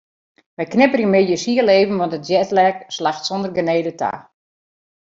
Wy knipperje middeis hiel even want de jetlag slacht sonder genede ta.